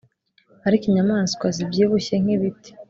ariko inyamanswa zibyibushye nkibiti